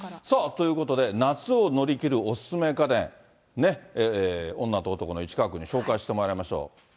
ということで、夏を乗り切るおすすめ家電、女と男の市川君に紹介してもらいましょう。